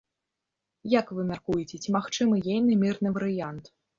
Як вы мяркуеце, ці магчымы ейны мірны варыянт?